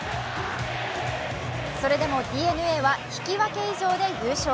それでもＤｅＮＡは引き分け以上で優勝。